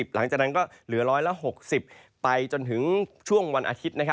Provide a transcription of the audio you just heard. หลังจากนั้นก็เหลือ๑๖๐ไปจนถึงช่วงวันอาทิตย์